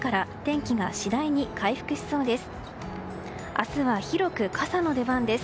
明日は広く傘の出番です。